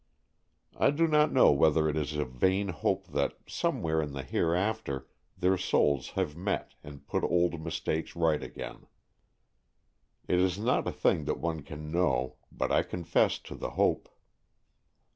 I do not know whether it is a vain hope that some where in the hereafter their souls have met and put old mistakes right again. It is not a thing that one can know, but I confess to the hope.